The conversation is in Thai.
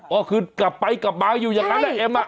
ก็คือกลับไปกลับมาอยู่อย่างนั้นแหละเอ็มอ่ะ